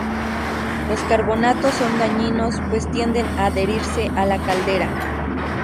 Los carbonatos son dañinos pues tienden a adherirse a la caldera.